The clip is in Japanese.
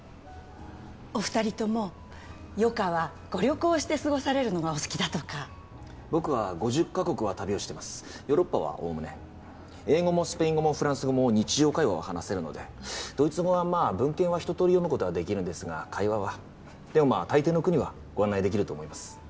お二人とも余暇はご旅行をして過ごされるのがお好きだとか僕は５０カ国は旅をしてますヨーロッパはおおむね英語もスペイン語もフランス語も日常会話は話せるのでドイツ語はまあ文献は一とおり読むことはできるんですが会話はでもまあ大抵の国はご案内できると思います